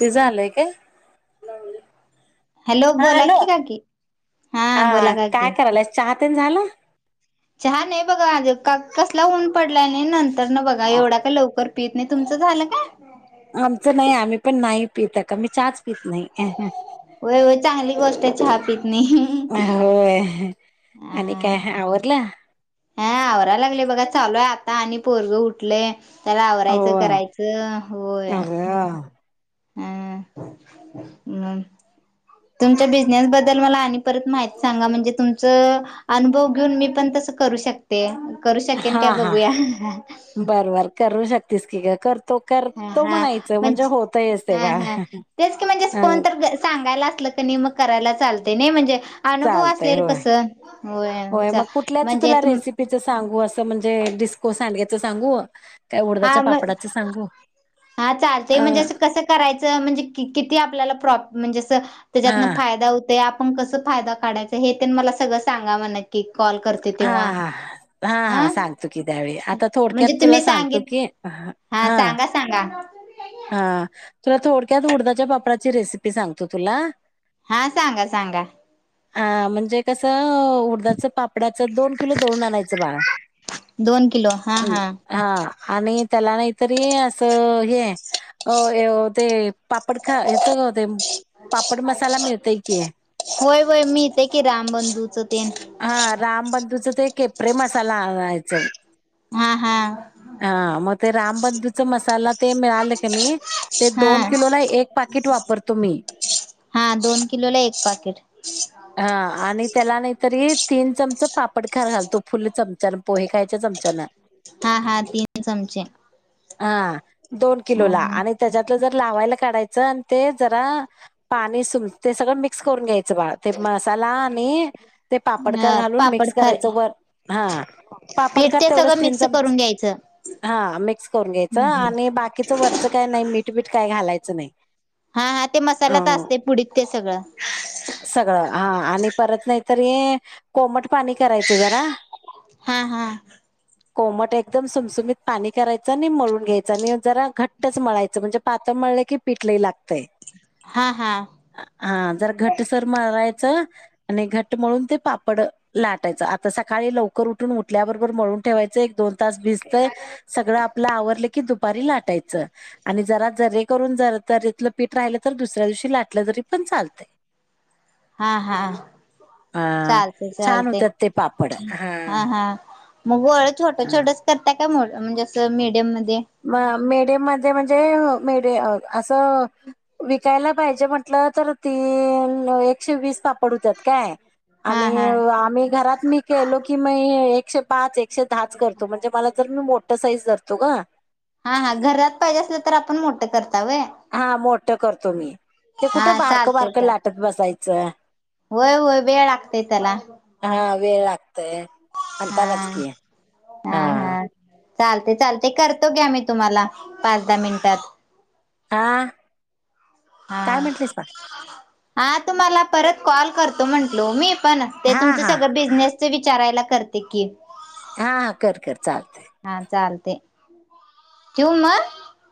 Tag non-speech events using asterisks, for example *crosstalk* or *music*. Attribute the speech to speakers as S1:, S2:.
S1: ते झालंय काय मावली
S2: हॅलो बोला की
S1: *unintelligible*
S2: काकी
S1: हा
S2: बोला
S1: काय
S2: काकी
S1: करालाइस चहा तेन झालं
S2: चहा नाही बघा अजून का कसला ऊन पडलाय नाही नंतर न बघा एवढा का लवकर पीत नाही तुमचं झालं काय?
S1: आमचं नाही आम्ही पण नाही पितका मी चहाच पित नाही
S2: होय-होय चांगली गोष्ट आहे चहापीत नाही हीही
S1: होय आणि काय आवरलं?
S2: हा आवरायलागले बघा चालूय आता आणि पोरगं उठलंय त्याला
S1: हो
S2: आवरायचं करायचं होय.
S1: अगं *inaudible*
S2: हम्, तुमच्या बिजनेस बद्दल मला आणखीन काहीतरी सांगा म्हणजे तुमचा अनुभव घेऊन मी पण कसं करू शकते तसं करू शकते
S1: हा
S2: का
S1: हा
S2: बघूया *inaudible*
S1: बर बर करू शकतेस की ग करतो करतो
S2: ह-ह
S1: म्हणायचं
S2: म्हण
S1: म्हणजे होतयच ते बाळ
S2: हा तेच क म्हणजे कोणत सांगायला अस क मग करायला चालते नाही म्हणजे अनुभव
S1: चालतय
S2: असलेल कसं होय
S1: होय-होय
S2: चा-
S1: मग कुठल्याच
S2: म्हणजे
S1: तुला
S2: तुम
S1: रेसिपीच सांगू असं म्हणजे डिस्कोस आच सांगू काय
S2: आ
S1: उडदाच्या
S2: म
S1: पापडाचं सांगू
S2: हा चालते
S1: अ
S2: म्हणजे असं कसं करायचं म्हणजे किती आपल्याला प्रॉप म्हणजे अस त्याच्यातन
S1: हा
S2: फायदा होतो आपण कसं फायदा काढायचा हे मला सगळं सांगा म नक्की कॉल करते
S1: हा
S2: तेव्हा
S1: हा
S2: हा
S1: सांगतो की त्यावेळी आता थोडक्यात
S2: म्हणजे
S1: तुला
S2: तुम्ही
S1: सांगतो
S2: सांगित
S1: की हा
S2: हा सांगा-सांगा
S1: हा. तुला थोडक्यात उडदाच्या पापडाची रेसिपी सांगतो तुला.
S2: हा सांगा सांगा,
S1: अ म्हणजे कसं उडदाच पा पड्याच दोन किलो दळून आणायचं बाळा.
S2: दोन किलो हा
S1: हा! आणि त्याला नाहीतरी असं हे ते पापड खा हेच हो ते पापड मसाला मिळतय की,
S2: होय होय मिळतंय इथे की राम बंधूच.
S1: हा रामबंधूच ते केपरे मसाला आणायच.
S2: हा, हा,
S1: हा मग ते रामबधूचा मसाला ते मिळाले का नाही ते,
S2: हा
S1: दोन किलो नाही एक पा ट वापरतो मी.
S2: हा दोन किलो ला एक पाकीट.
S1: हां आणि त्याला नाहीतरी तीन चमच पापड खार घालतो फुल चमचा पोहे खायच्या चमचान.
S2: हा हा तीन चमचे,
S1: हा दोन किलो ला आणि
S2: अ
S1: त्याच्यातल जर लावायला काढायचं आणि ते जरा पाणी सुम ते सगळं मिक्स करून घ्यायचं. ते मसाला आणि ते पापडकर घालून
S2: पापड
S1: मिक्स
S2: खारी
S1: करायचं वर हा.
S2: पीठ
S1: पापडखार
S2: ते
S1: तेवढंच
S2: सगळं
S1: तीन
S2: मिक्स
S1: चमच
S2: करून घ्यायचं
S1: हा मिक्स करून घ्यायचं आणि बाकीचं वरचं काय नाही मीठ बीठ काय घालायचं च नाही.
S2: हा हा ते मसाल्यात
S1: अ
S2: असते पुडीत ते सगळं
S1: सगळं हा आणि परत नाही, तरी हे कोमट पाणी करायचं जरा
S2: हा हा
S1: कोमट एक एकदम सुमसुमीत पाणी करायचं आणि मळून घ्यायचं आणि जरा घट्टच मळायचं म्हणजे, पातळ मळलं की पिटलंही लागत. गतंय
S2: हा हा
S1: हा जर घटसर मळवायचं. आणि घट मळून ते पापड लाटायचं आता सकाळी लवकर उठून उठल्याबरोबर मळून ठेवायच एक दोन त भिजतंय सगळं आप आवरलं की दुपारी लाटायच आणि ज जे करून जथलं पीठ राहिलं तर दुसऱ्या दिवशी लाटलं जरी पण चालतंय.
S2: हा हा
S1: हा
S2: चालतंय
S1: छान
S2: चालतंय
S1: होत्यात ते पापड
S2: हा हा मग वळ छोट
S1: हा.
S2: छोटा करताय मो म्हणजे असं मिडीयम मध्ये.
S1: म मे ड म म्हणजे अस विकायला पाहिजे म्हंटलं तर ते, एकशे वीस पापड होतत काय,
S2: हा
S1: आणि
S2: हा
S1: आम्ही घरात मी केलो की मी एकशे पाच एकशे दहाच करतो, म्हणजे मला जर खूप मोठा साइज धरतो गं
S2: हा हा घरात पाहिजे असल तर आपण मोठ
S1: हा मोठ करतो मी ते कुठं
S2: हा
S1: बारकं, बारकं, लाटत बसायचं.
S2: व्हय, व्हय वेळ लागतय त्याला.
S1: हा वेळ लागतयं आणतानाच
S2: हा
S1: कि हा हा.
S2: चालतयं चालतयं करतो घ्या मी तुम्हाला पाच दहा मिनिटात.
S1: हा
S2: हा
S1: काय म्हंटलेस बा
S2: हा तुम्हाला परत कॉल करतो म्हंटलो ओ मी पण ते
S1: हा
S2: तुमच
S1: हा
S2: सगळं बिझनेसचं विचारायला. करते कि,
S1: हा कर कर चालतंय.
S2: ठेऊ मग.